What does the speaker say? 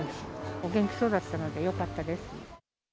お元気そうだったので、よかったです。